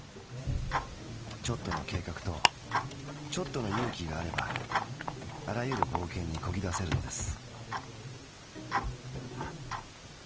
ちょっとの計画とちょっとの勇気があればあらゆる冒険に漕ぎ出せるのです。